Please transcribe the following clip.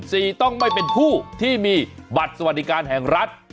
ต้องไม่เป็นผู้ที่มีบัตรสวัสดิการแห่งรัฐ